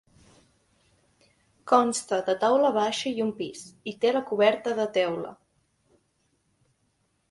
Consta de planta baixa i un pis, i té la coberta de teula.